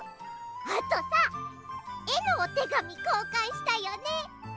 あとさえのおてがみこうかんしたよね。